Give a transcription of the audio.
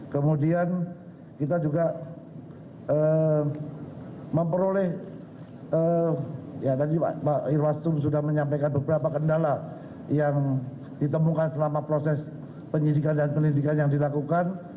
kemudian kita juga memperoleh ya tadi pak irwastu sudah menyampaikan beberapa kendala yang ditemukan selama proses penyidikan dan penyelidikan yang dilakukan